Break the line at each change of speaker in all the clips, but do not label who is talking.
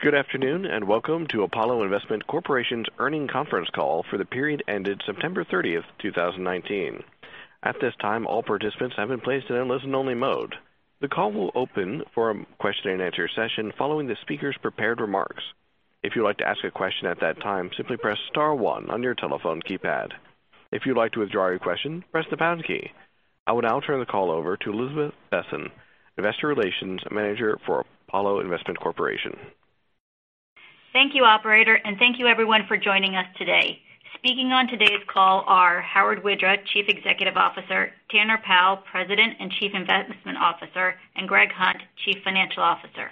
Good afternoon. Welcome to Apollo Investment Corporation's earnings conference call for the period ended September 30th, 2019. At this time, all participants have been placed in a listen-only mode. The call will open for a question-and-answer session following the speaker's prepared remarks. If you'd like to ask a question at that time, simply press star one on your telephone keypad. If you'd like to withdraw your question, press the pound key. I will now turn the call over to Elizabeth Besen, Investor Relations Manager for Apollo Investment Corporation.
Thank you, operator, and thank you, everyone, for joining us today. Speaking on today's call are Howard Widra, Chief Executive Officer, Tanner Powell, President and Chief Investment Officer, and Gregory Hunt, Chief Financial Officer.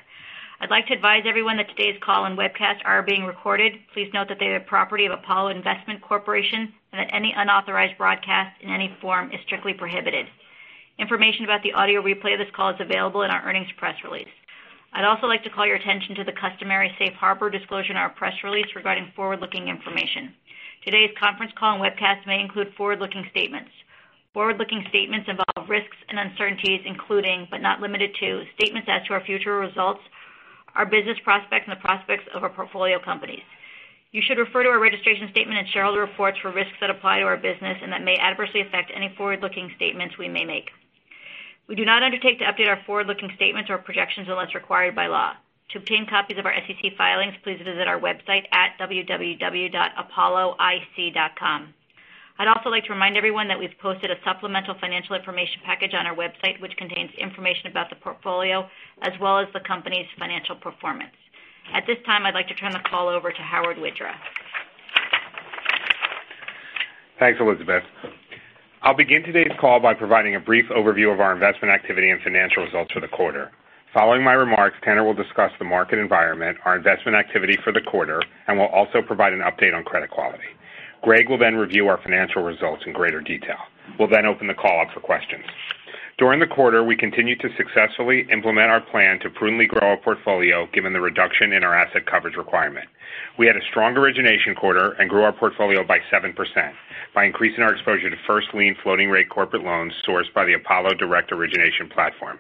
I'd like to advise everyone that today's call and webcast are being recorded. Please note that they are property of Apollo Investment Corporation and that any unauthorized broadcast in any form is strictly prohibited. Information about the audio replay of this call is available in our earnings press release. I'd also like to call your attention to the customary safe harbor disclosure in our press release regarding forward-looking information. Today's conference call and webcast may include forward-looking statements. Forward-looking statements involve risks and uncertainties including, but not limited to, statements as to our future results, our business prospects, and the prospects of our portfolio companies. You should refer to our registration statement and shareholder reports for risks that apply to our business and that may adversely affect any forward-looking statements we may make. We do not undertake to update our forward-looking statements or projections unless required by law. To obtain copies of our SEC filings, please visit our website at www.apolloic.com. I'd also like to remind everyone that we've posted a supplemental financial information package on our website, which contains information about the portfolio as well as the company's financial performance. At this time, I'd like to turn the call over to Howard Widra.
Thanks, Elizabeth. I'll begin today's call by providing a brief overview of our investment activity and financial results for the quarter. Following my remarks, Tanner will discuss the market environment, our investment activity for the quarter, and will also provide an update on credit quality. Greg will then review our financial results in greater detail. We'll then open the call up for questions. During the quarter, we continued to successfully implement our plan to prudently grow our portfolio, given the reduction in our asset coverage requirement. We had a strong origination quarter and grew our portfolio by 7% by increasing our exposure to first-lien floating rate corporate loans sourced by the Apollo direct origination platform.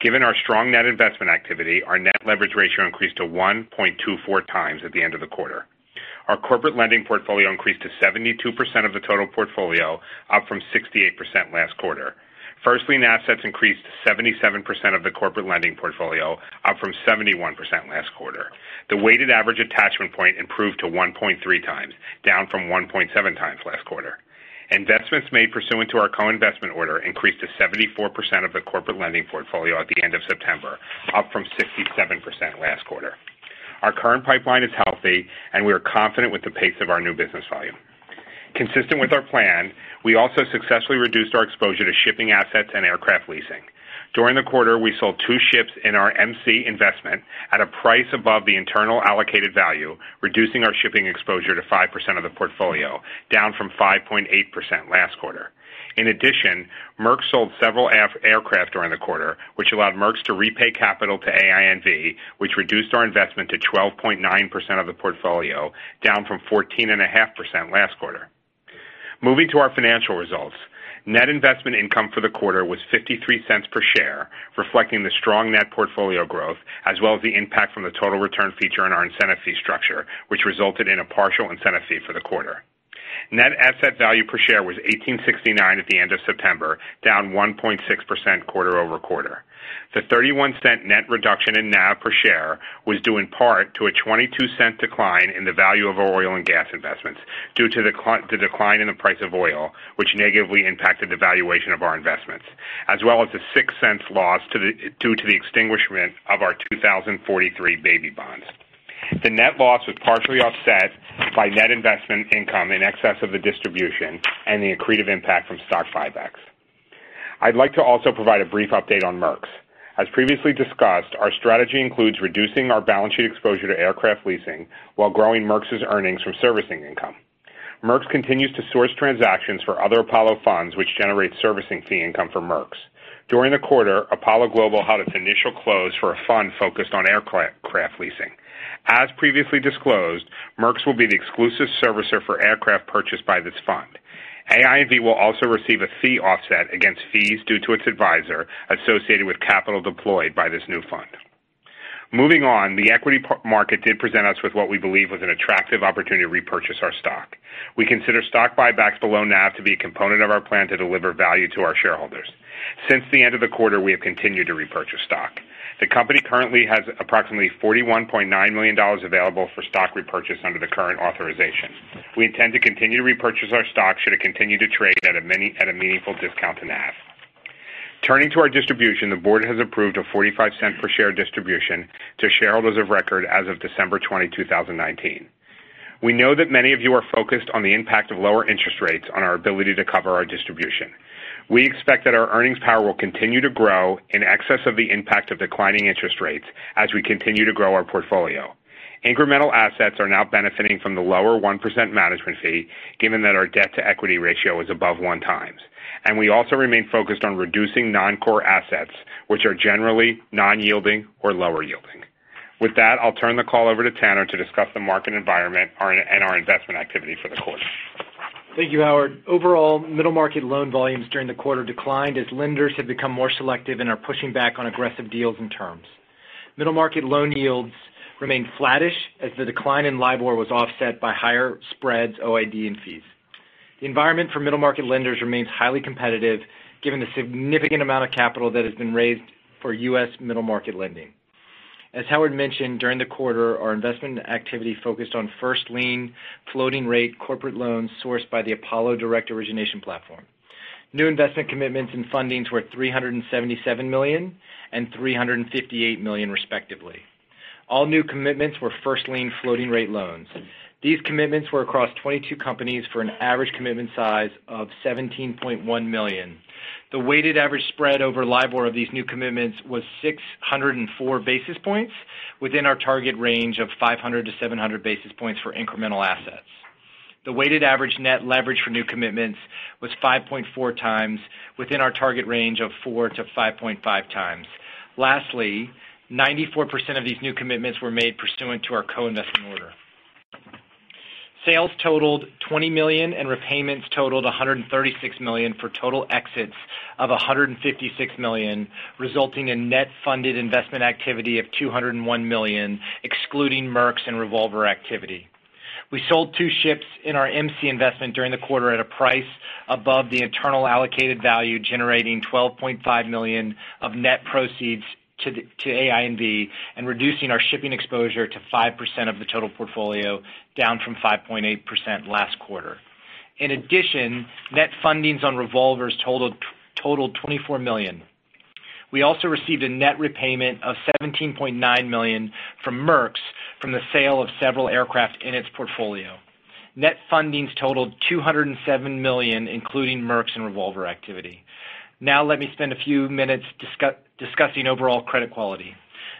Given our strong net investment activity, our net leverage ratio increased to 1.24 times at the end of the quarter. Our corporate lending portfolio increased to 72% of the total portfolio, up from 68% last quarter. First lien assets increased to 77% of the corporate lending portfolio, up from 71% last quarter. The weighted average attachment point improved to 1.3 times, down from 1.7 times last quarter. Investments made pursuant to our co-investment order increased to 74% of the corporate lending portfolio at the end of September, up from 67% last quarter. Our current pipeline is healthy, and we are confident with the pace of our new business volume. Consistent with our plan, we also successfully reduced our exposure to shipping assets and aircraft leasing. During the quarter, we sold two ships in our MC investment at a price above the internal allocated value, reducing our shipping exposure to 5% of the portfolio, down from 5.8% last quarter. MERX sold several aircraft during the quarter, which allowed MERX to repay capital to AINV, which reduced our investment to 12.9% of the portfolio, down from 14.5% last quarter. Moving to our financial results. Net investment income for the quarter was $0.53 per share, reflecting the strong net portfolio growth, as well as the impact from the total return feature on our incentive fee structure, which resulted in a partial incentive fee for the quarter. Net asset value per share was $18.69 at the end of September, down 1.6% quarter-over-quarter. The $0.31 net reduction in NAV per share was due in part to a $0.22 decline in the value of our oil and gas investments due to the decline in the price of oil, which negatively impacted the valuation of our investments, as well as the $0.06 loss due to the extinguishment of our 2043 baby bonds. The net loss was partially offset by net investment income in excess of the distribution and the accretive impact from stock buybacks. I'd like to also provide a brief update on Merx. As previously discussed, our strategy includes reducing our balance sheet exposure to aircraft leasing while growing Merx's earnings from servicing income. Merx continues to source transactions for other Apollo funds which generate servicing fee income for Merx. During the quarter, Apollo Global had its initial close for a fund focused on aircraft leasing. As previously disclosed, Merx will be the exclusive servicer for aircraft purchased by this fund. AINV will also receive a fee offset against fees due to its advisor associated with capital deployed by this new fund. Moving on, the equity market did present us with what we believe was an attractive opportunity to repurchase our stock. We consider stock buybacks below NAV to be a component of our plan to deliver value to our shareholders. Since the end of the quarter, we have continued to repurchase stock. The company currently has approximately $41.9 million available for stock repurchase under the current authorization. We intend to continue to repurchase our stock should it continue to trade at a meaningful discount to NAV. Turning to our distribution, the board has approved a $0.45 per share distribution to shareholders of record as of December 20, 2019. We know that many of you are focused on the impact of lower interest rates on our ability to cover our distribution. We expect that our earnings power will continue to grow in excess of the impact of declining interest rates as we continue to grow our portfolio. Incremental assets are now benefiting from the lower 1% management fee, given that our debt-to-equity ratio is above one times. We also remain focused on reducing non-core assets, which are generally non-yielding or lower yielding. With that, I'll turn the call over to Tanner to discuss the market environment and our investment activity for the quarter.
Thank you, Howard. Overall, middle market loan volumes during the quarter declined as lenders have become more selective and are pushing back on aggressive deals and terms. Middle market loan yields remained flattish as the decline in LIBOR was offset by higher spreads, OID, and fees. The environment for middle market lenders remains highly competitive given the significant amount of capital that has been raised for U.S. middle market lending. As Howard mentioned, during the quarter, our investment activity focused on first-lien, floating-rate corporate loans sourced by the Apollo direct origination platform. New investment commitments and fundings were $377 million and $358 million, respectively. All new commitments were first-lien floating-rate loans. These commitments were across 22 companies for an average commitment size of $17.1 million. The weighted average spread over LIBOR of these new commitments was 604 basis points, within our target range of 500 basis points-700 basis points for incremental assets. The weighted average net leverage for new commitments was 5.4 times, within our target range of 4 times-5.5 times. Lastly, 94% of these new commitments were made pursuant to our co-investment order. Sales totaled $20 million and repayments totaled $136 million, for total exits of $156 million, resulting in net funded investment activity of $201 million, excluding Merx and revolver activity. We sold two ships in our MC investment during the quarter at a price above the internal allocated value, generating $12.5 million of net proceeds to AINV and reducing our shipping exposure to 5% of the total portfolio, down from 5.8% last quarter. In addition, net fundings on revolvers totaled $24 million. We also received a net repayment of $17.9 million from Merx from the sale of several aircraft in its portfolio. Net fundings totaled $207 million, including Merx and revolver activity. Let me spend a few minutes discussing overall credit quality.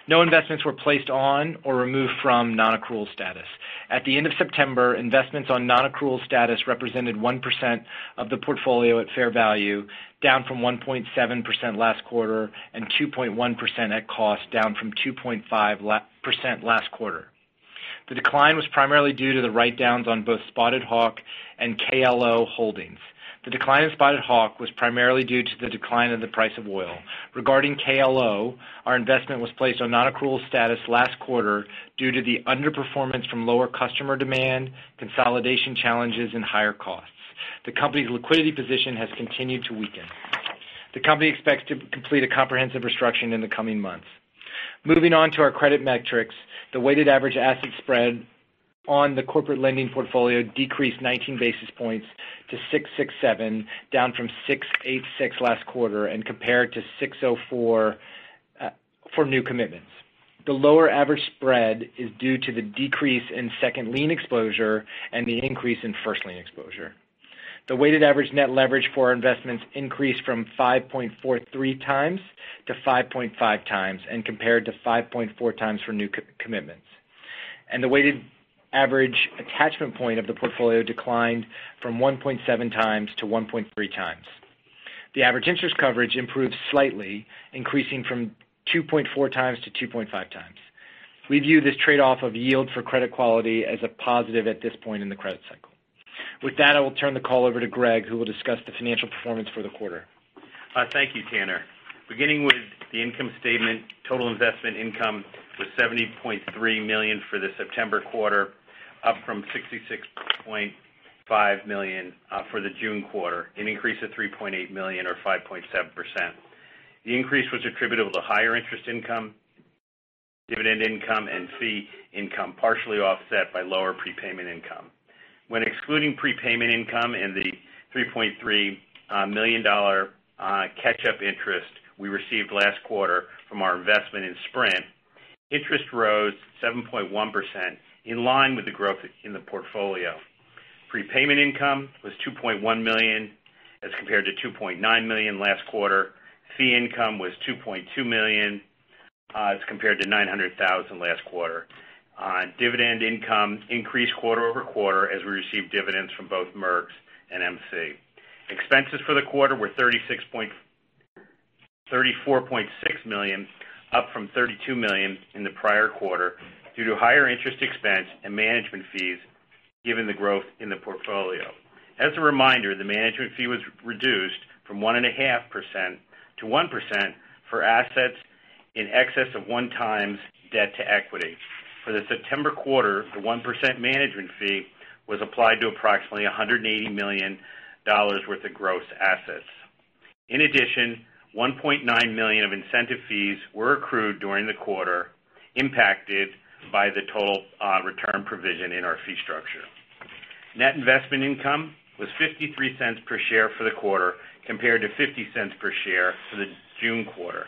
No investments were placed on or removed from non-accrual status. At the end of September, investments on non-accrual status represented 1% of the portfolio at fair value, down from 1.7% last quarter, and 2.1% at cost, down from 2.5% last quarter. The decline was primarily due to the write-downs on both Spotted Hawk and KLO Holdings. The decline in Spotted Hawk was primarily due to the decline in the price of oil. Regarding KLO, our investment was placed on non-accrual status last quarter due to the underperformance from lower customer demand, consolidation challenges, and higher costs. The company's liquidity position has continued to weaken. The company expects to complete a comprehensive restructuring in the coming months. Moving on to our credit metrics. The weighted average asset spread on the corporate lending portfolio decreased 19 basis points to 667, down from 686 last quarter, and compared to 604 for new commitments. The lower average spread is due to the decrease in second lien exposure and the increase in first lien exposure. The weighted average net leverage for our investments increased from 5.43x to 5.5x and compared to 5.4x for new commitments. The weighted average attachment point of the portfolio declined from 1.7x to 1.3x. The average interest coverage improved slightly, increasing from 2.4x to 2.5x. We view this trade-off of yield for credit quality as a positive at this point in the credit cycle. With that, I will turn the call over to Greg, who will discuss the financial performance for the quarter.
Thank you, Tanner. Beginning with the income statement, total investment income was $70.3 million for the September quarter, up from $66.5 million for the June quarter, an increase of $3.8 million or 5.7%. The increase was attributable to higher interest income, dividend income, and fee income, partially offset by lower prepayment income. When excluding prepayment income and the $3.3 million catch-up interest we received last quarter from our investment in Sprint, interest rose 7.1%, in line with the growth in the portfolio. Prepayment income was $2.1 million as compared to $2.9 million last quarter. Fee income was $2.2 million as compared to $900,000 last quarter. Dividend income increased quarter-over-quarter as we received dividends from both Merx and MC. Expenses for the quarter were $34.6 million, up from $32 million in the prior quarter, due to higher interest expense and management fees given the growth in the portfolio. As a reminder, the management fee was reduced from 1.5% to 1% for assets in excess of one times debt to equity. For the September quarter, the 1% management fee was applied to approximately $180 million worth of gross assets. In addition, $1.9 million of incentive fees were accrued during the quarter, impacted by the total return provision in our fee structure. Net investment income was $0.53 per share for the quarter, compared to $0.50 per share for the June quarter.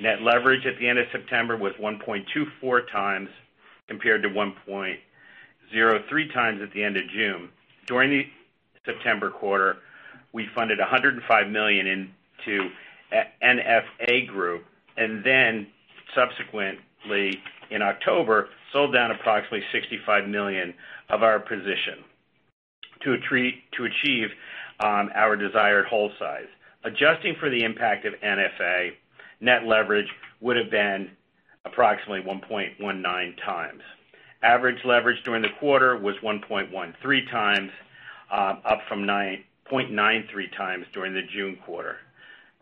Net leverage at the end of September was 1.24 times, compared to 1.03 times at the end of June. During the September quarter, we funded $105 million into NFA Group, and then subsequently in October, sold down approximately $65 million of our position to achieve our desired hold size. Adjusting for the impact of NFA, net leverage would have been approximately 1.19 times. Average leverage during the quarter was 1.13 times, up from 0.93 times during the June quarter.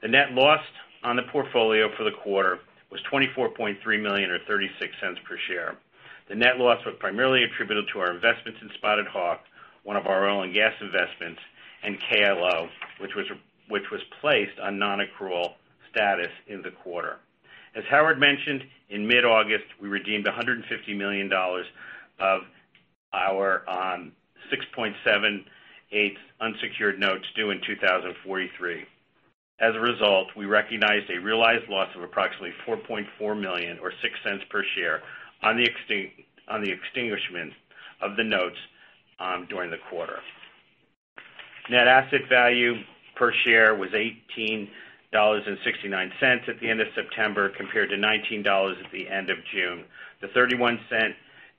The net loss on the portfolio for the quarter was $24.3 million, or $0.36 per share. The net loss was primarily attributed to our investments in Spotted Hawk, one of our oil and gas investments, and KLO, which was placed on non-accrual status in the quarter. As Howard mentioned, in mid-August, we redeemed $150 million of our 6.78 unsecured notes due in 2043. As a result, we recognized a realized loss of approximately $4.4 million or $0.06 per share on the extinguishment of the notes during the quarter. Net asset value per share was $18.69 at the end of September, compared to $19 at the end of June. The $0.31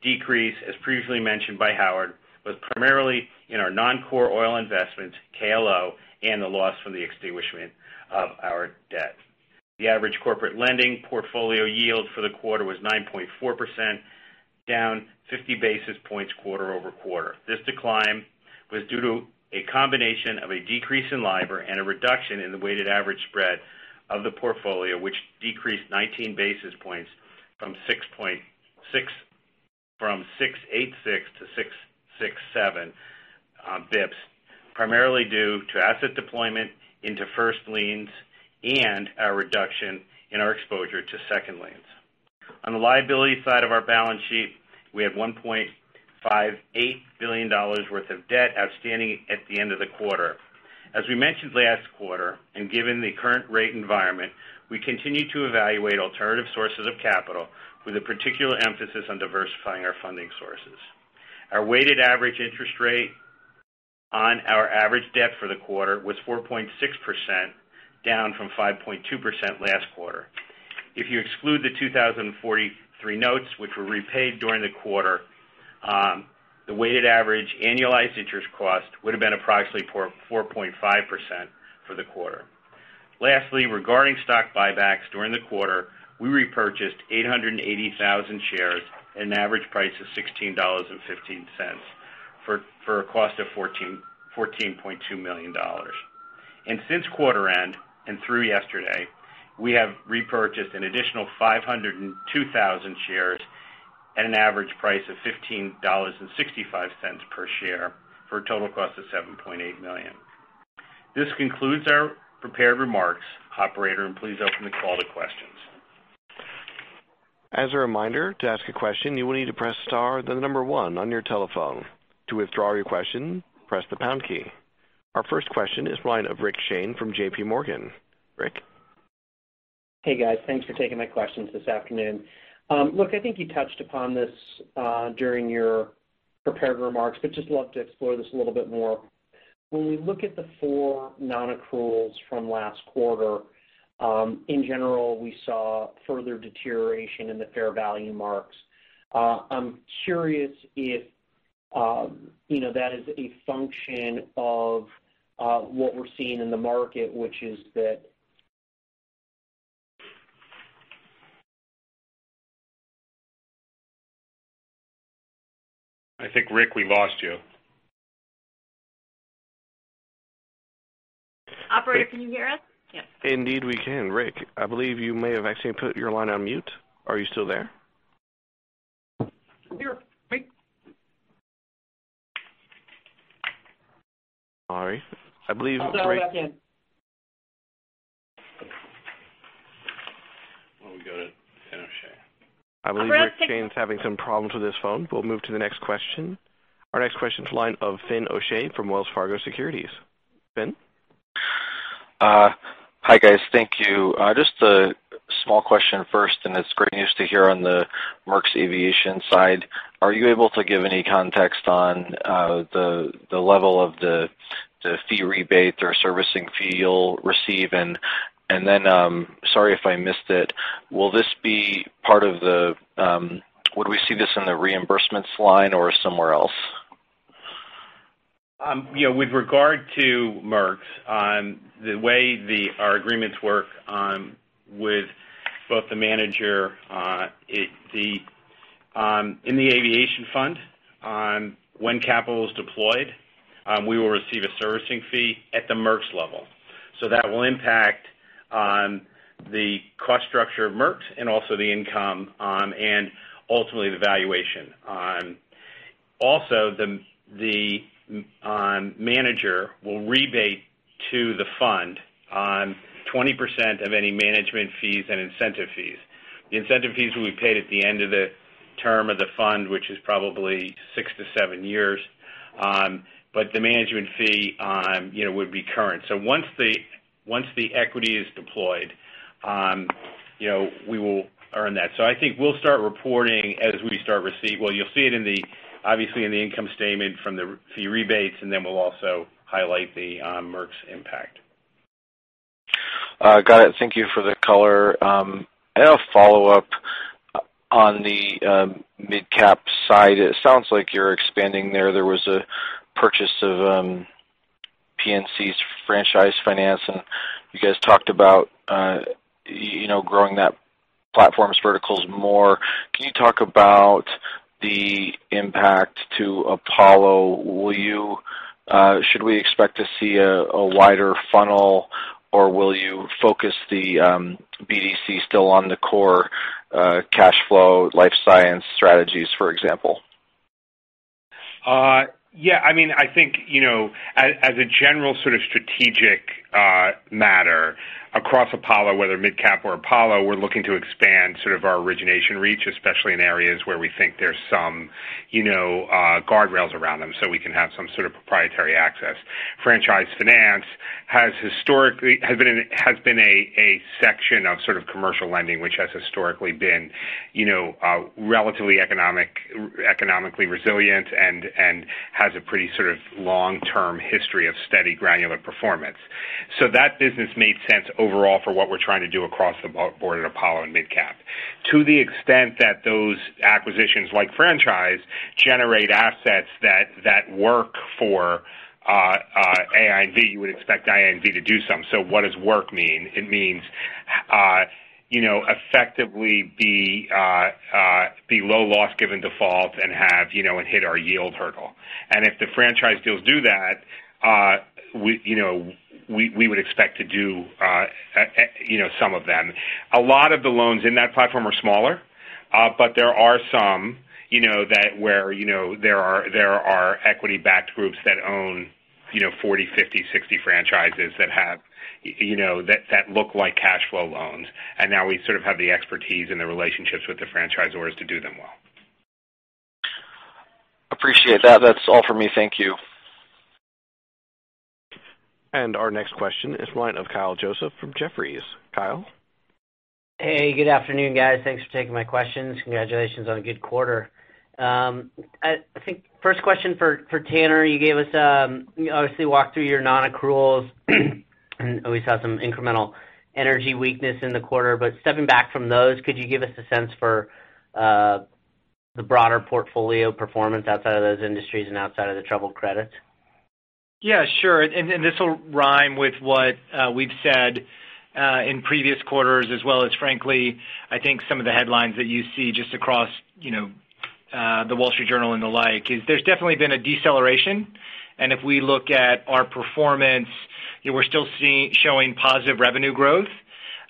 decrease, as previously mentioned by Howard, was primarily in our non-core oil investments, KLO, and the loss from the extinguishment of our debt. The average corporate lending portfolio yield for the quarter was 9.4%, down 50 basis points quarter-over-quarter. This decline was due to a combination of a decrease in LIBOR and a reduction in the weighted average spread of the portfolio, which decreased 19 basis points from 686 to 667 bips, primarily due to asset deployment into first liens and a reduction in our exposure to second liens. On the liability side of our balance sheet, we had $1.58 billion worth of debt outstanding at the end of the quarter. As we mentioned last quarter, and given the current rate environment, we continue to evaluate alternative sources of capital with a particular emphasis on diversifying our funding sources. Our weighted average interest rate on our average debt for the quarter was 4.6%, down from 5.2% last quarter. If you exclude the 2043 notes, which were repaid during the quarter, the weighted average annualized interest cost would have been approximately 4.5% for the quarter. Lastly, regarding stock buybacks during the quarter, we repurchased 880,000 shares at an average price of $16.15 for a cost of $14.2 million. Since quarter end and through yesterday, we have repurchased an additional 502,000 shares at an average price of $15.65 per share, for a total cost of $7.8 million. This concludes our prepared remarks. Operator, please open the call to questions.
As a reminder, to ask a question, you will need to press star, then the number 1 on your telephone. To withdraw your question, press the pound key. Our first question is the line of Rick Shane from J.P. Morgan. Rick?
Hey, guys. Thanks for taking my questions this afternoon. Look, I think you touched upon this during your prepared remarks, but just love to explore this a little bit more. When we look at the four non-accruals from last quarter, in general, we saw further deterioration in the fair value marks. I'm curious if that is a function of what we're seeing in the market, which is that
I think, Rick, we lost you.
Operator, can you hear us?
Indeed, we can. Rick, I believe you may have accidentally put your line on mute. Are you still there?
I'm here. Rick?
Sorry. I believe.
Sorry about that.
Why don't we go to Finian O'Shea.
I believe Rick Shane's having some problems with his phone. We'll move to the next question. Our next question is the line of Finian O'Shea from Wells Fargo Securities. Finn?
Hi, guys. Thank you. Just a small question first. It's great news to hear on the Merx Aviation side. Are you able to give any context on the level of the fee rebate or servicing fee you'll receive? Then, sorry if I missed it. Would we see this in the reimbursements line or somewhere else?
With regard to Merx, the way our agreements work with both the manager in the aviation fund, when capital is deployed, we will receive a servicing fee at the Merx level. That will impact the cost structure of Merx and also the income, and ultimately the valuation. Also, the manager will rebate to the fund on 20% of any management fees and incentive fees. The incentive fees will be paid at the end of the term of the fund, which is probably six to seven years. The management fee would be current. Once the equity is deployed, we will earn that. I think we'll start reporting as we start receipt. You'll see it obviously in the income statement from the fee rebates, and then we'll also highlight the Merx impact.
Got it. Thank you for the color. A follow-up on the MidCap side. It sounds like you're expanding there. There was a purchase of PNC's franchise finance, and you guys talked about growing that platform's verticals more. Can you talk about the impact to Apollo? Should we expect to see a wider funnel, or will you focus the BDC still on the core cash flow life science strategies, for example?
Yeah. I think, as a general sort of strategic matter across Apollo, whether MidCap or Apollo, we're looking to expand sort of our origination reach, especially in areas where we think there's some guardrails around them so we can have some sort of proprietary access. Franchise finance has been a section of sort of commercial lending, which has historically been relatively economically resilient and has a pretty sort of long-term history of steady granular performance. That business made sense overall for what we're trying to do across the board at Apollo and MidCap. To the extent that those acquisitions, like franchise, generate assets that work for AIV, you would expect AIV to do something. What does work mean? It means effectively be low loss given default and hit our yield hurdle. If the franchise deals do that, we would expect to do some of them. A lot of the loans in that platform are smaller. There are some where there are equity-backed groups that own 40, 50, 60 franchises that look like cash flow loans, and now we sort of have the expertise and the relationships with the franchisors to do them well.
Appreciate that. That's all for me. Thank you.
Our next question is the line of Kyle Joseph from Jefferies. Kyle?
Hey, good afternoon, guys. Thanks for taking my questions. Congratulations on a good quarter. I think first question for Tanner. You obviously walked through your non-accruals and obviously had some incremental energy weakness in the quarter. Stepping back from those, could you give us a sense for the broader portfolio performance outside of those industries and outside of the troubled credits?
Yeah, sure. This will rhyme with what we've said in previous quarters as well as frankly, I think some of the headlines that you see just across The Wall Street Journal and the like, there's definitely been a deceleration. If we look at our performance, we're still showing positive revenue growth.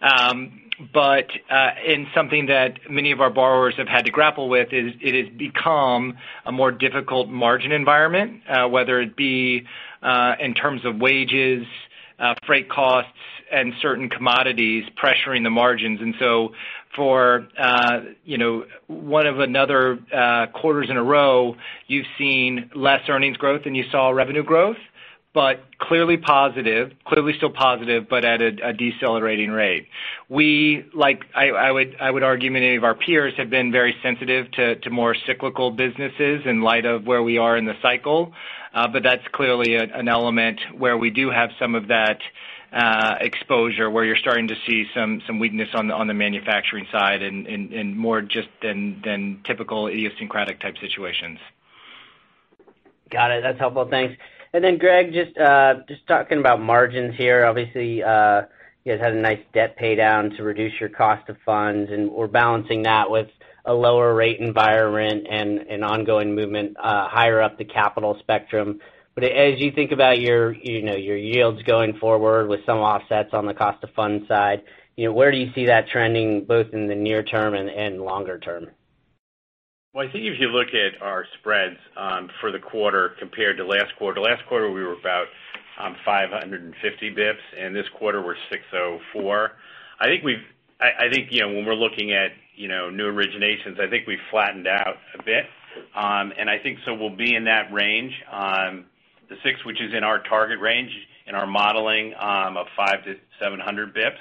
Something that many of our borrowers have had to grapple with is it has become a more difficult margin environment. Whether it be in terms of wages, freight costs, and certain commodities pressuring the margins. For one of another quarters in a row, you've seen less earnings growth than you saw revenue growth. Clearly positive. Clearly still positive, but at a decelerating rate. I would argue many of our peers have been very sensitive to more cyclical businesses in light of where we are in the cycle. That's clearly an element where we do have some of that exposure, where you're starting to see some weakness on the manufacturing side and more just than typical idiosyncratic type situations.
Got it. That's helpful. Thanks. Greg, just talking about margins here. Obviously, you guys had a nice debt paydown to reduce your cost of funds, and we're balancing that with a lower rate environment and an ongoing movement higher up the capital spectrum. As you think about your yields going forward with some offsets on the cost of funds side, where do you see that trending, both in the near term and longer term?
Well, I think if you look at our spreads for the quarter compared to last quarter, last quarter, we were about 550 bips, and this quarter we're 604. I think when we're looking at new originations, I think we've flattened out a bit. I think so we'll be in that range on the six, which is in our target range in our modeling of 5 to 700 bips.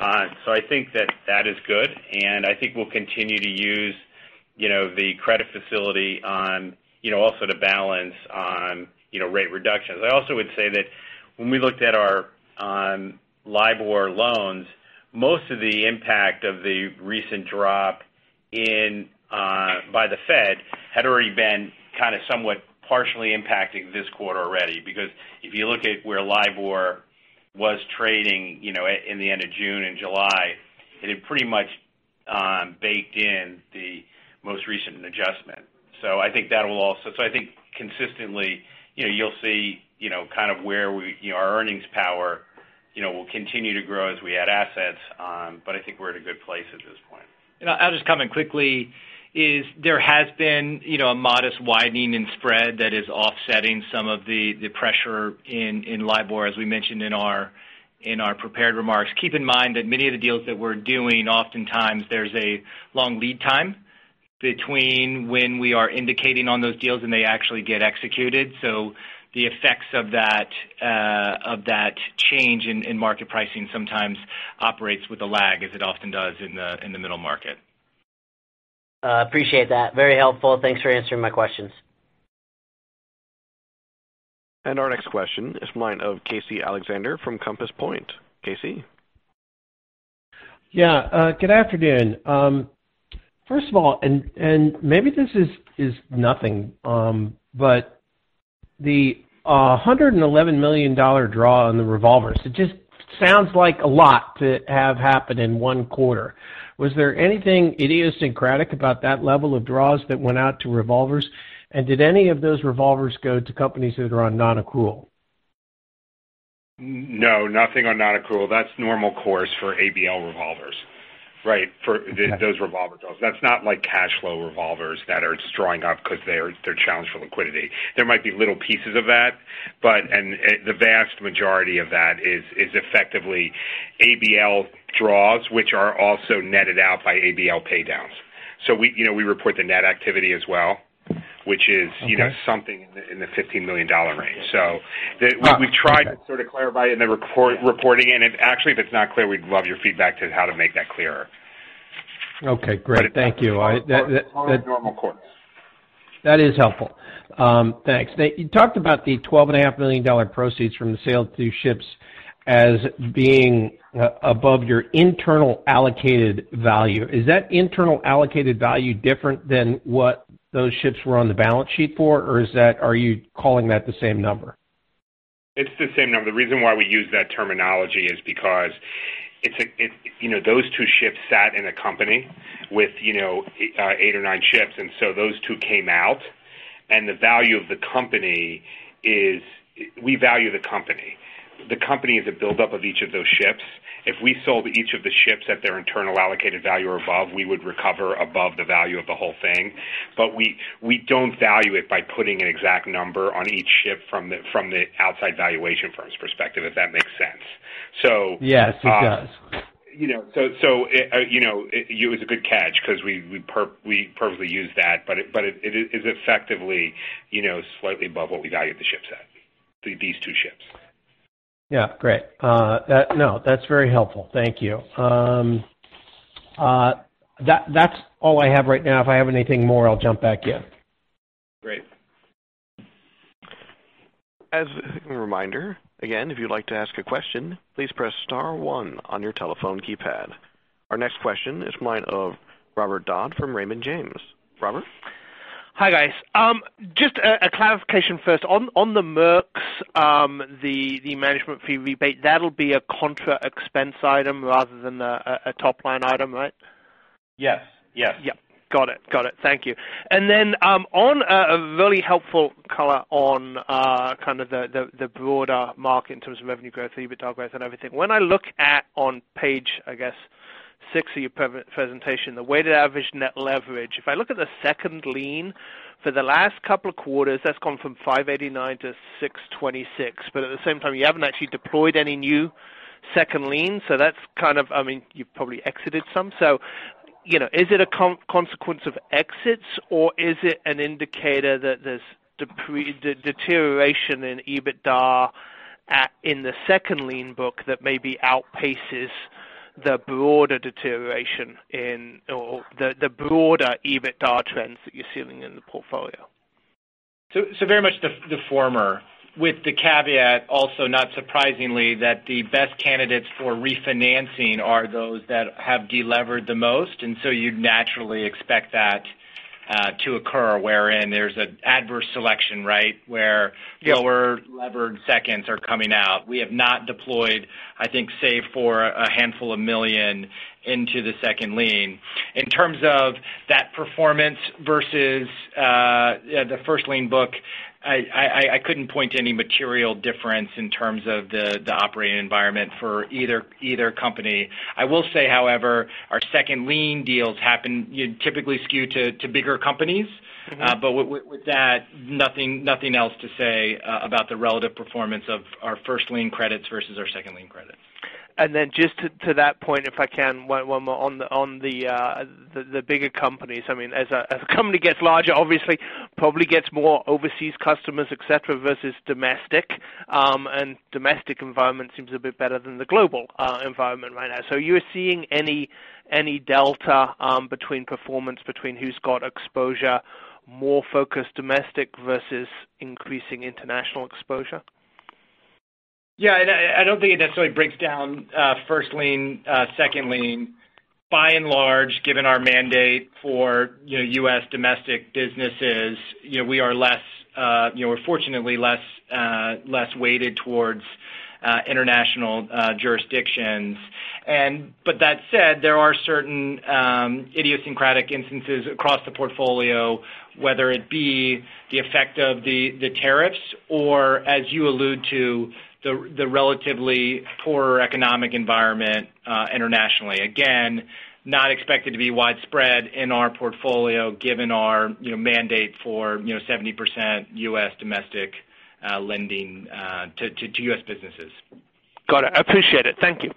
I think that that is good, and I think we'll continue to use the credit facility on also to balance on rate reductions. I also would say that when we looked at our LIBOR loans, most of the impact of the recent drop by the Fed had already been kind of somewhat partially impacting this quarter already. If you look at where LIBOR was trading in the end of June and July, it had pretty much baked in the most recent adjustment. I think consistently, you'll see kind of where our earnings power will continue to grow as we add assets. I think we're in a good place at this point.
I'll just comment quickly is there has been a modest widening in spread that is offsetting some of the pressure in LIBOR, as we mentioned in our prepared remarks. Keep in mind that many of the deals that we're doing, oftentimes there's a long lead time between when we are indicating on those deals and they actually get executed. The effects of that change in market pricing sometimes operates with a lag as it often does in the middle market.
Appreciate that. Very helpful. Thanks for answering my questions.
Our next question is from the line of Casey Alexander from Compass Point. Casey?
Yeah. Good afternoon. First of all, maybe this is nothing, but the $111 million draw on the revolvers, it just sounds like a lot to have happen in one quarter. Was there anything idiosyncratic about that level of draws that went out to revolvers? Did any of those revolvers go to companies that are on non-accrual?
No, nothing on non-accrual. That's normal course for ABL revolvers.
Right.
For those revolver draws. That's not like cash flow revolvers that are just drawing up because they're challenged for liquidity. There might be little pieces of that, but the vast majority of that is effectively ABL draws, which are also netted out by ABL paydowns. We report the net activity as well, which is.
Okay
something in the $15 million range. We tried to sort of clarify in the reporting. Actually, if it's not clear, we'd love your feedback to how to make that clearer.
Okay, great. Thank you.
It's all normal course.
That is helpful. Thanks. You talked about the $12.5 million proceeds from the sale of two ships as being above your internal allocated value. Is that internal allocated value different than what those ships were on the balance sheet for, or are you calling that the same number?
It's the same number. The reason why we use that terminology is because those two ships sat in a company with eight or nine ships. Those two came out, the value of the company is we value the company. The company is a buildup of each of those ships. If we sold each of the ships at their internal allocated value or above, we would recover above the value of the whole thing. We don't value it by putting an exact number on each ship from the outside valuation firm's perspective, if that makes sense.
Yes, it does.
It was a good catch because we purposely used that, but it is effectively slightly above what we valued the ships at, these two ships.
Yeah. Great. No, that's very helpful. Thank you. That's all I have right now. If I have anything more, I'll jump back in.
Great.
As a reminder, again, if you'd like to ask a question, please press star one on your telephone keypad. Our next question is from the line of Robert Dodd from Raymond James. Robert?
Hi, guys. Just a clarification first. On the Merx, the management fee rebate, that'll be a contra expense item rather than a top-line item, right?
Yes.
Yep. Got it. Thank you. Then, on a really helpful color on kind of the broader market in terms of revenue growth, EBITDA growth, and everything. When I look at on page, I guess, six of your presentation, the weighted average net leverage. If I look at the second lien for the last couple of quarters, that's gone from 589 to 626. At the same time, you haven't actually deployed any new second lien. You've probably exited some. Is it a consequence of exits, or is it an indicator that there's deterioration in EBITDA in the second lien book that maybe outpaces the broader deterioration or the broader EBITDA trends that you're seeing in the portfolio?
Very much the former, with the caveat also, not surprisingly, that the best candidates for refinancing are those that have delevered the most, and so you'd naturally expect that to occur wherein there's adverse selection, where lower levered seconds are coming out. We have not deployed, I think, save for a handful of million into the second lien. In terms of that performance versus the first lien book, I couldn't point to any material difference in terms of the operating environment for either company. I will say, however, our second lien deals typically skew to bigger companies. With that, nothing else to say about the relative performance of our first lien credits versus our second lien credits.
Just to that point, if I can, one more on the bigger companies. As a company gets larger, obviously, probably gets more overseas customers, et cetera, versus domestic. Domestic environment seems a bit better than the global environment right now. You're seeing any delta between performance between who's got exposure, more focused domestic versus increasing international exposure?
Yeah, I don't think it necessarily breaks down first lien, second lien. By and large, given our mandate for U.S. domestic businesses, we're fortunately less weighted towards international jurisdictions. That said, there are certain idiosyncratic instances across the portfolio, whether it be the effect of the tariffs or, as you allude to, the relatively poorer economic environment internationally. Again, not expected to be widespread in our portfolio given our mandate for 70% U.S. domestic lending to U.S. businesses.
Got it. I appreciate it. Thank you.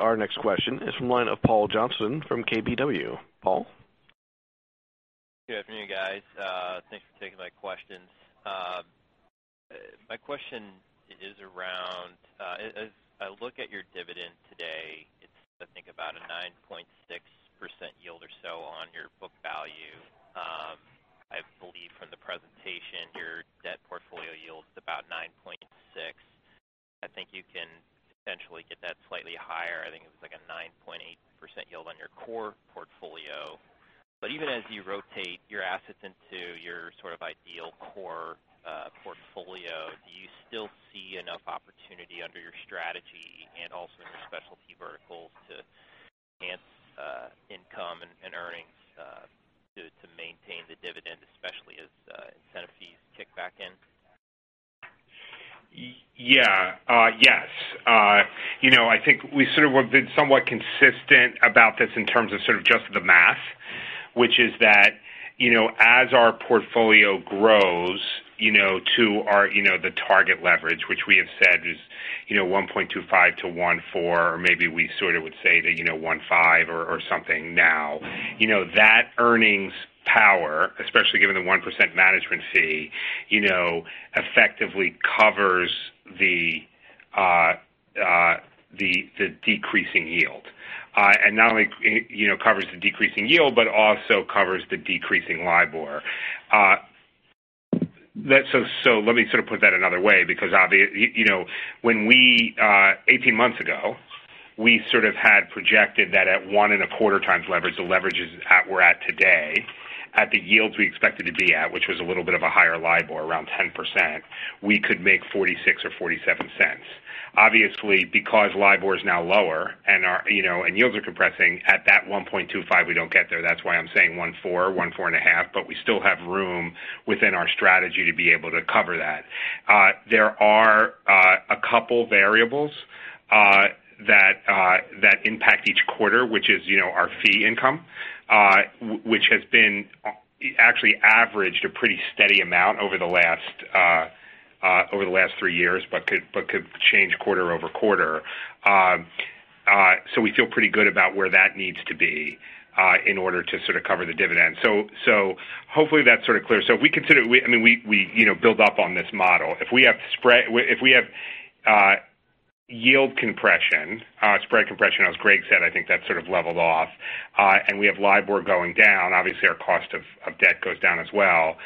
Our next question is from the line of Paul Johnson from KBW. Paul?
Good afternoon, guys. Thanks for taking my questions. My question is around your dividend, your debt portfolio yield is about 9.6. I think you can essentially get that slightly higher. I think it was like a 9.8% yield on your core portfolio. Even as you rotate your assets into your sort of ideal core portfolio, do you still see enough opportunity under your strategy and also in your specialty verticals to enhance income and earnings to maintain the dividend, especially as incentive fees kick back in?
Yeah. Yes. I think we've sort of been somewhat consistent about this in terms of sort of just the math, which is that as our portfolio grows to the target leverage, which we have said is 1.25-1.4, or maybe we sort of would say the 1.5 or something now. That earnings power, especially given the 1% management fee, effectively covers the decreasing yield. Not only covers the decreasing yield, but also covers the decreasing LIBOR. Let me sort of put that another way, because obviously, 18 months ago, we sort of had projected that at 1.25 times leverage, the leverages we're at today, at the yields we expected to be at, which was a little bit of a higher LIBOR, around 10%, we could make $0.46 or $0.47. Obviously, because LIBOR is now lower and yields are compressing at that 1.25, we don't get there. That's why I'm saying 1.4, 1.5, but we still have room within our strategy to be able to cover that. There are a couple variables that impact each quarter, which is our fee income, which has been actually averaged a pretty steady amount over the last three years, but could change quarter over quarter. We feel pretty good about where that needs to be in order to sort of cover the dividend. Hopefully that's sort of clear. We build up on this model. If we have yield compression, spread compression, as Greg said, I think that's sort of leveled off. We have LIBOR going down, obviously our cost of debt goes down as well.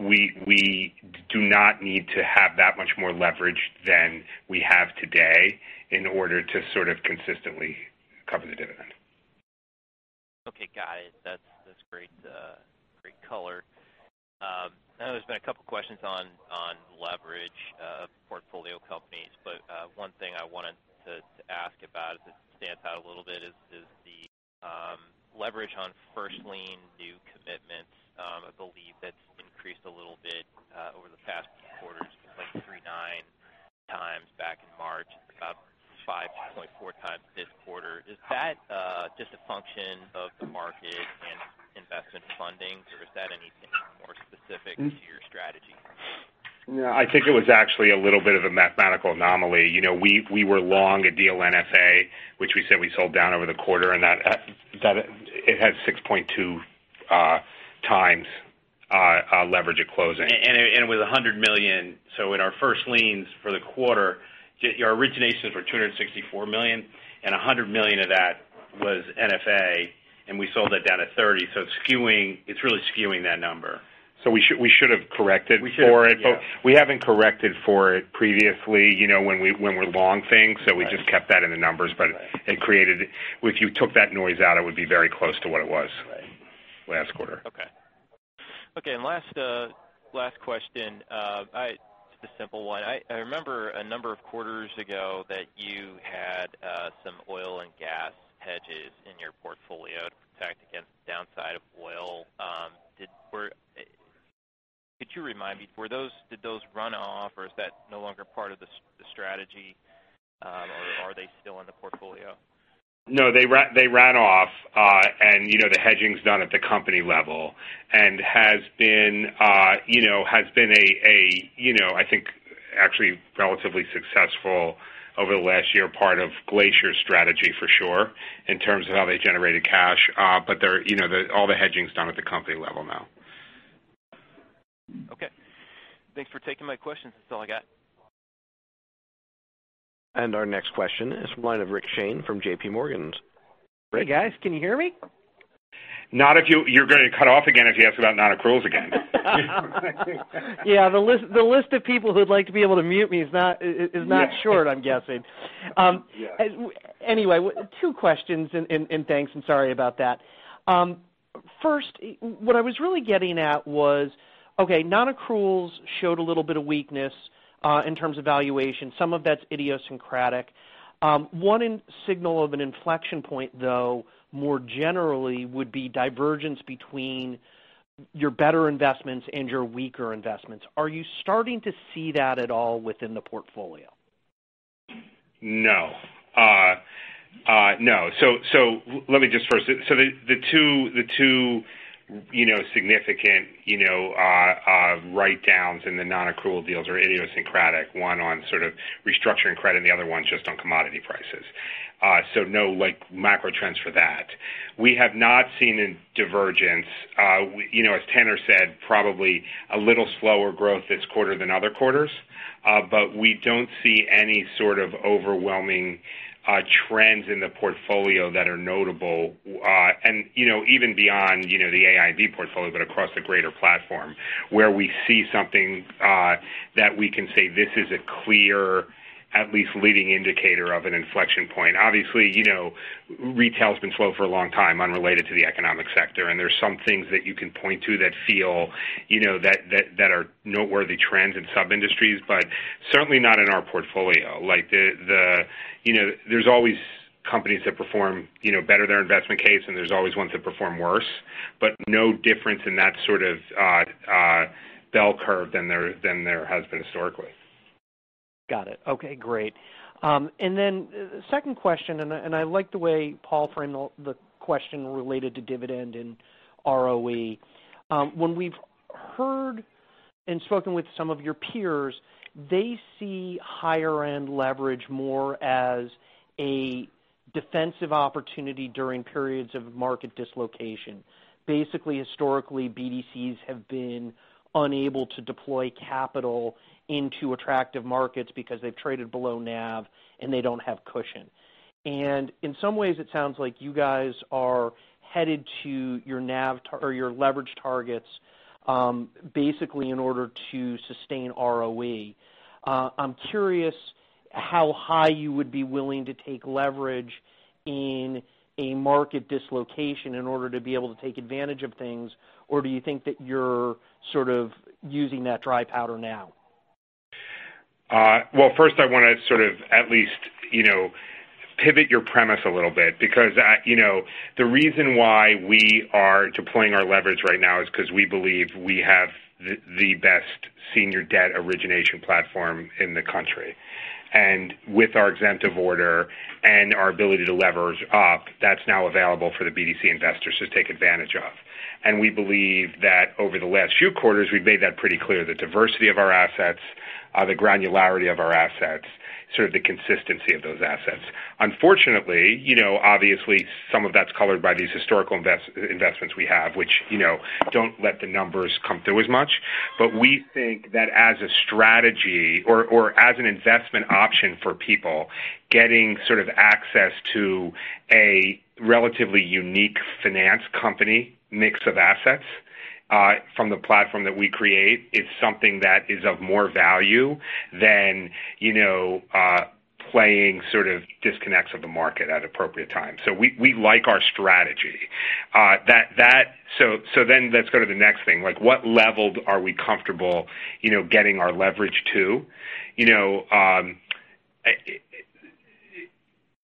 We do not need to have that much more leverage than we have today in order to sort of consistently cover the dividend.
Okay. Got it. That's great color. I know there's been a couple of questions on leverage of portfolio companies, but one thing I wanted to ask about that stands out a little bit is the leverage on first lien new commitments. I believe that's increased a little bit over the past quarters from 3.9 times back in March. It's about 5.4 times this quarter. Is that just a function of the market and investment funding, or is that anything more specific to your strategy?
I think it was actually a little bit of a mathematical anomaly. We were long a deal NFA, which we said we sold down over the quarter, and it had 6.2 times leverage at closing.
It was $100 million. In our first liens for the quarter, our originations were $264 million, and $100 million of that was NFA, and we sold that down at $30. It's really skewing that number.
We should have corrected for it.
We should have, yeah.
We haven't corrected for it previously, when we're long things.
Right.
We just kept that in the numbers.
Right.
If you took that noise out, it would be very close to what it was.
Right
last quarter.
Okay. Last question. Just a simple one. I remember a number of quarters ago that you had some oil and gas hedges in your portfolio to protect against the downside of oil. Could you remind me, did those run off or is that no longer part of the strategy? Are they still in the portfolio?
No, they ran off. The hedging's done at the company level and has been I think actually relatively successful over the last year, part of Glacier strategy for sure in terms of how they generated cash. All the hedging's done at the company level now.
Okay. Thanks for taking my questions. That's all I got.
Our next question is from the line of Rick Shane from J.P. Morgan. Rick?
Hey, guys. Can you hear me?
Not. You're going to cut off again if you ask about non-accruals again.
Yeah. The list of people who'd like to be able to mute me is not short, I'm guessing.
Yeah.
Two questions, and thanks, and sorry about that. First, what I was really getting at was, okay, non-accruals showed a little bit of weakness in terms of valuation. Some of that's idiosyncratic. One signal of an inflection point, though, more generally would be divergence between your better investments and your weaker investments. Are you starting to see that at all within the portfolio?
No. The two significant write downs in the non-accrual deals are idiosyncratic. One on sort of restructuring credit, and the other one's just on commodity prices. No macro trends for that. We have not seen a divergence. As Tanner said, probably a little slower growth this quarter than other quarters. We don't see any sort of overwhelming trends in the portfolio that are notable. Even beyond the AINV portfolio, but across the greater platform, where we see something that we can say this is a clear, at least leading indicator of an inflection point. Obviously, retail's been slow for a long time, unrelated to the economic sector, and there's some things that you can point to that feel that are noteworthy trends in sub-industries, but certainly not in our portfolio. There's always companies that perform better their investment case, and there's always ones that perform worse, but no difference in that sort of bell curve than there has been historically.
Got it. Okay, great. The second question, and I like the way Paul framed the question related to dividend and ROE. When we've heard and spoken with some of your peers, they see higher-end leverage more as a defensive opportunity during periods of market dislocation. Basically, historically, BDCs have been unable to deploy capital into attractive markets because they've traded below NAV and they don't have cushion. In some ways it sounds like you guys are headed to your NAV or your leverage targets, basically in order to sustain ROE. I'm curious how high you would be willing to take leverage in a market dislocation in order to be able to take advantage of things, or do you think that you're sort of using that dry powder now?
Well, first I want to sort of at least pivot your premise a little bit because the reason why we are deploying our leverage right now is because we believe we have the best senior debt origination platform in the country. With our exemptive order and our ability to leverage up, that's now available for the BDC investors to take advantage of. We believe that over the last few quarters, we've made that pretty clear. The diversity of our assets, the granularity of our assets, sort of the consistency of those assets. Unfortunately, obviously some of that's colored by these historical investments we have, which don't let the numbers come through as much. We think that as a strategy or as an investment option for people, getting sort of access to a relatively unique finance company mix of assets from the platform that we create is something that is of more value than playing sort of disconnects of the market at appropriate times. We like our strategy. Let's go to the next thing. What level are we comfortable getting our leverage to?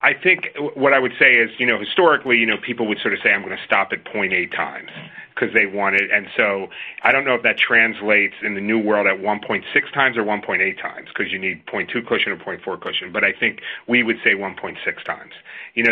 I think what I would say is, historically, people would sort of say, "I'm going to stop at 0.8 times" because they want it. I don't know if that translates in the new world at 1.6 times or 1.8 times because you need 0.2 cushion or 0.4 cushion. I think we would say 1.6 times.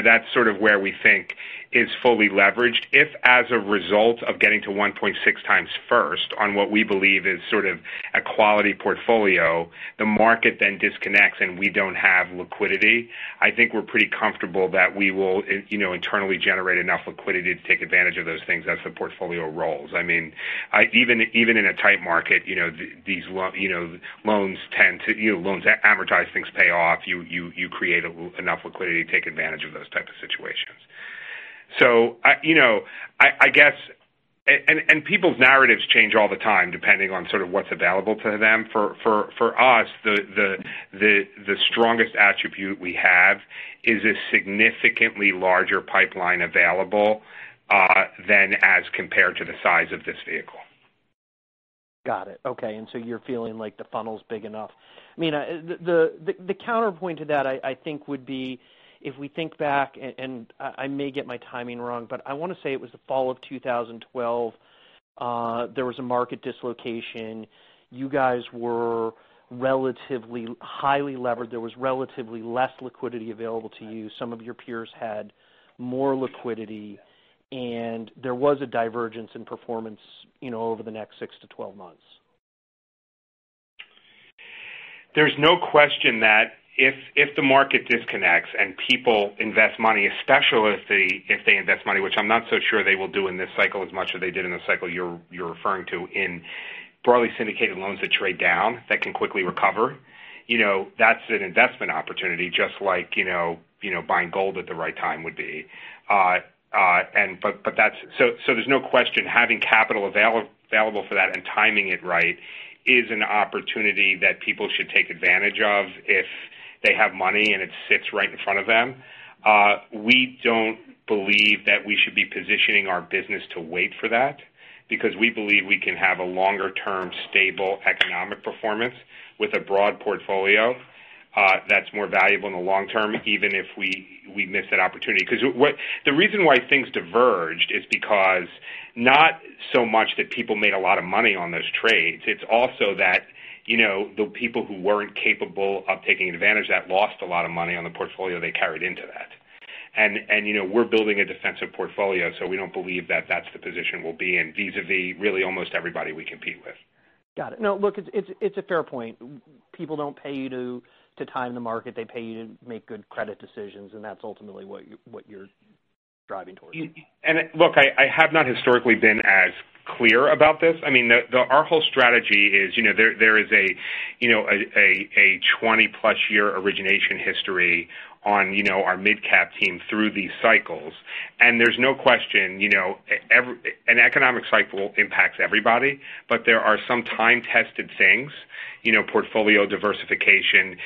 That's sort of where we think is fully leveraged. If as a result of getting to 1.6 times first on what we believe is sort of a quality portfolio, the market then disconnects and we don't have liquidity, I think we're pretty comfortable that we will internally generate enough liquidity to take advantage of those things as the portfolio rolls. Even in a tight market, loans amortize, things pay off, you create enough liquidity to take advantage of those type of situations. People's narratives change all the time depending on sort of what's available to them. For us, the strongest attribute we have is a significantly larger pipeline available than as compared to the size of this vehicle.
Got it. Okay. You're feeling like the funnel's big enough. The counterpoint to that, I think would be if we think back, and I may get my timing wrong, but I want to say it was the fall of 2012. There was a market dislocation. You guys were relatively highly levered. There was relatively less liquidity available to you. Some of your peers had more liquidity, and there was a divergence in performance over the next six to 12 months.
There's no question that if the market disconnects and people invest money, especially if they invest money, which I'm not so sure they will do in this cycle as much as they did in the cycle you're referring to in broadly syndicated loans that trade down that can quickly recover. That's an investment opportunity, just like buying gold at the right time would be. There's no question having capital available for that and timing it right is an opportunity that people should take advantage of if they have money and it sits right in front of them. We don't believe that we should be positioning our business to wait for that because we believe we can have a longer-term stable economic performance with a broad portfolio that's more valuable in the long term, even if we miss that opportunity. The reason why things diverged is because not so much that people made a lot of money on those trades, it's also that the people who weren't capable of taking advantage, that lost a lot of money on the portfolio they carried into that. We're building a defensive portfolio, so we don't believe that that's the position we'll be in vis-a-vis really almost everybody we compete with.
Got it. No, look, it's a fair point. People don't pay you to time the market. They pay you to make good credit decisions.
Look, I have not historically been as clear about this. I mean, our whole strategy is there is a 20-plus year origination history on our MidCap team through these cycles. There's no question, an economic cycle impacts everybody, but there are some time-tested things, portfolio diversification,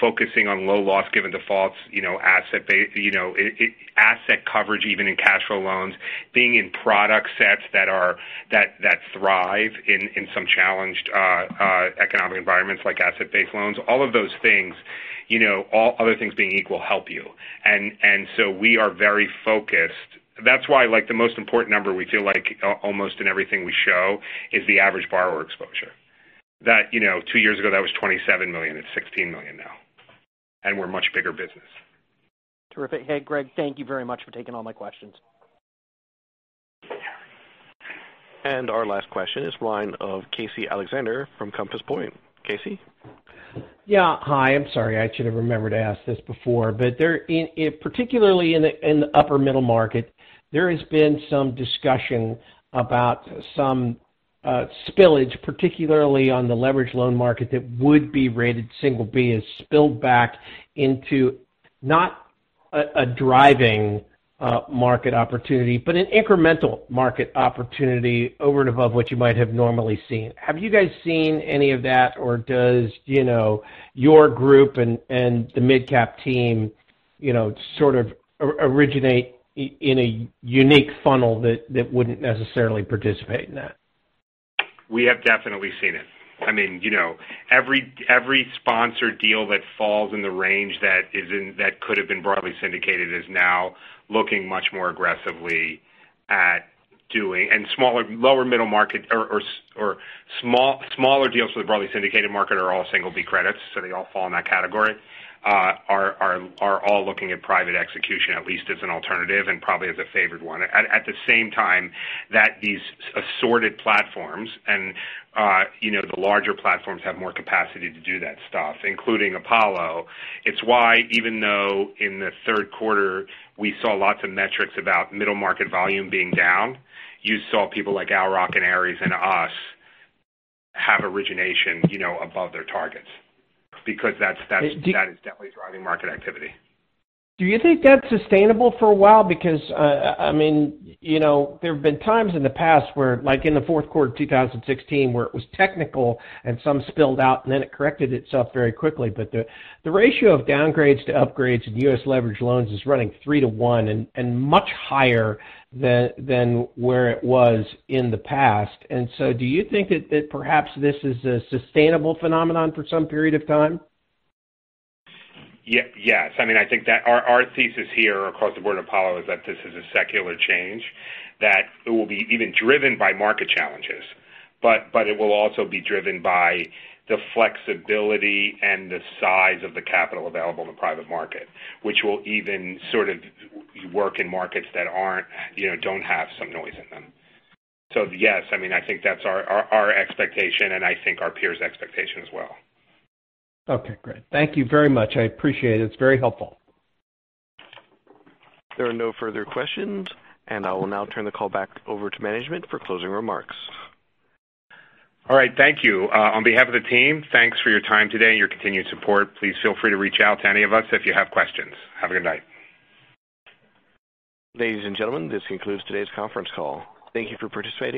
focusing on low loss-given defaults, asset coverage even in cash flow loans, being in product sets that thrive in some challenged economic environments like asset-based loans. All of those things, all other things being equal, help you. We are very focused. That's why the most important number we feel like almost in everything we show is the average borrower exposure. Two years ago, that was $27 million. It's $16 million now. We're a much bigger business.
Terrific. Hey, Greg, thank you very much for taking all my questions.
Our last question is the line of Casey Alexander from Compass Point. Casey?
Yeah. Hi. I'm sorry, I should have remembered to ask this before, particularly in the upper middle market, there has been some discussion about some spillage, particularly on the leverage loan market that would be rated single B has spilled back into not a driving market opportunity, but an incremental market opportunity over and above what you might have normally seen. Have you guys seen any of that or does your group and the MidCap team sort of originate in a unique funnel that wouldn't necessarily participate in that?
We have definitely seen it. I mean, every sponsored deal that falls in the range that could've been broadly syndicated is now looking much more aggressively at doing, smaller deals for the broadly syndicated market are all single B credits, so they all fall in that category, are all looking at private execution at least as an alternative and probably as a favored one. At the same time that these assorted platforms and the larger platforms have more capacity to do that stuff, including Apollo. It's why even though in the third quarter we saw lots of metrics about middle market volume being down, you saw people like Owl Rock and Ares and us have origination above their targets because that is definitely driving market activity.
Do you think that's sustainable for a while? I mean, there have been times in the past where, like in the fourth quarter of 2016 where it was technical and some spilled out and then it corrected itself very quickly. The ratio of downgrades to upgrades in U.S. leverage loans is running 3 to 1 and much higher than where it was in the past. Do you think that perhaps this is a sustainable phenomenon for some period of time?
Yes. I mean, I think that our thesis here across the board at Apollo is that this is a secular change, that it will be even driven by market challenges. It will also be driven by the flexibility and the size of the capital available in the private market, which will even sort of work in markets that don't have some noise in them. Yes, I mean, I think that's our expectation and I think our peers' expectation as well.
Okay, great. Thank you very much. I appreciate it. It's very helpful.
There are no further questions. I will now turn the call back over to management for closing remarks.
All right. Thank you. On behalf of the team, thanks for your time today and your continued support. Please feel free to reach out to any of us if you have questions. Have a good night.
Ladies and gentlemen, this concludes today's conference call. Thank you for participating.